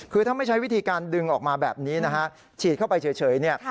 คือถ้าไม่ใช้วิธีการดึงออกมาแบบนี้นะฮะฉีดเข้าไปเฉยเนี่ย